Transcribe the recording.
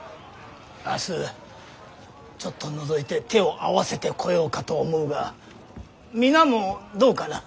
明日ちょっとのぞいて手を合わせてこようかと思うが皆もどうかな。